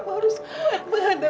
cita itu enggak meninggal